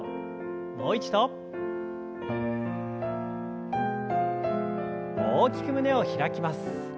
もう一度。大きく胸を開きます。